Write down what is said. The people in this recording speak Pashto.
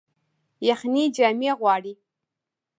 یخني جامې غواړي